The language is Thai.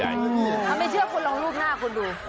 ถ้าไม่เชื่อคุณลองรูปหน้าคุณดู